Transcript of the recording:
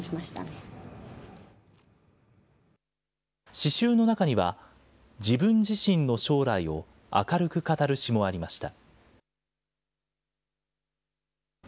詩集の中には、自分自身の将来を明るく語る詩もありました。